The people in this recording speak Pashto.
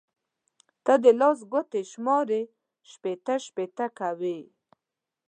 تل د لاس ګوتې شماري؛ شپېته شپېته کوي.